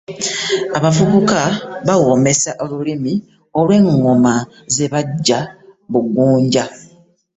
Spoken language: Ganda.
Abavubuka bawoomesa olulimi olw'eŋŋombo ze bajja bagunja.